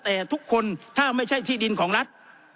แต่ทุกคนถ้าไม่ใช่ที่ดินของรัฐ